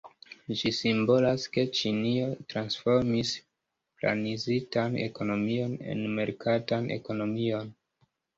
Ĝi simbolas ke Ĉinio transformis planizitan ekonomion en merkatan ekonomion.